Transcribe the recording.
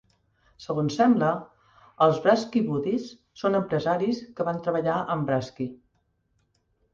Segons sembla, els Brasky Buddies són empresaris que van treballar amb Brasky.